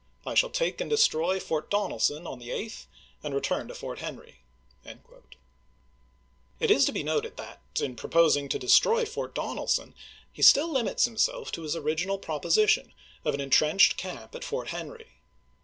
.. I shall take and destroy Fort Donelson on the 8th, and return to Fort Henry." It is to be noted that, 188 ABKAHAM LINCOLN CHAP. XI. ill proposing to destroy Fort Douelson, he still limits himself to his original proposition of an in trenched camp at Fort Henry.